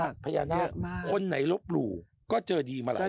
พญานาคคนไหนลบหลู่ก็เจอดีมาหลาย